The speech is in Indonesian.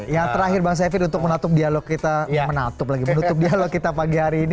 yang terakhir bang sefit untuk menutup dialog kita menatup lagi menutup dialog kita pagi hari ini